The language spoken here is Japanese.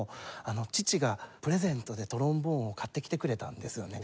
父がプレゼントでトロンボーンを買ってきてくれたんですよね。